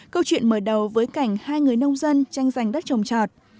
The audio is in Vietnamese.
câu chuyện mở đầu với cảnh hai người nông dân tranh giành đất trồng trọt